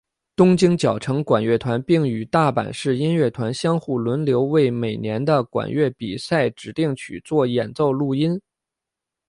东京佼成管乐团并与大阪市音乐团互相轮流为每年的管乐比赛指定曲做演奏录音。